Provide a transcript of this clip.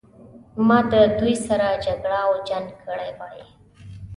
ما د دوی سره جګړه او جنګ کړی وای.